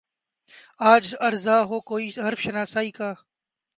آج ارزاں ہو کوئی حرف شناسائی کا